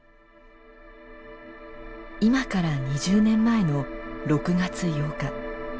今から２０年前の６月８日。